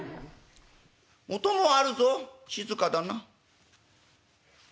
音もあるぞ静かだな」。